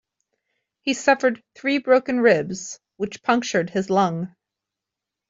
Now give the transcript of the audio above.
He suffered three broken ribs, which punctured his lung.